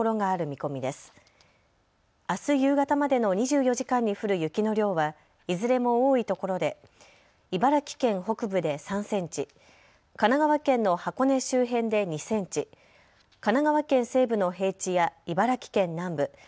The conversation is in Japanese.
あす夕方までの２４時間に降る雪の量はいずれも多いところで茨城県北部で３センチ、神奈川県の箱根周辺で２センチ、神奈川県西部の平地や茨城県南部